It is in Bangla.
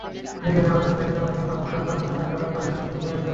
ইতিমধ্যে আলোচনা থেকে জানা গেল, পোশাক কারখানায় তাঁরা কাজের সুযোগ পেয়েছেন।